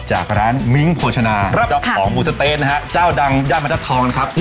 จากร้านมิ้งค์โผชนาของบุษเตนนะครับเจ้าดังย่านมันเจ้าทองนะครับ